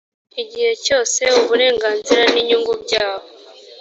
igihe cyose uburenganzira n inyungu byabo